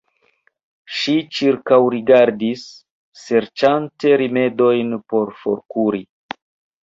Ŝi ĉirkaŭrigardis, serĉante rimedojn por forkuri.